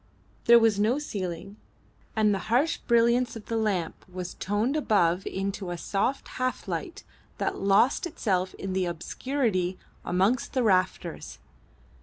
There was no ceiling, and the harsh brilliance of the lamp was toned above into a soft half light that lost itself in the obscurity amongst the rafters.